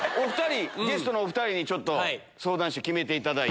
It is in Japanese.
ゲストのお２人に相談して決めていただいて。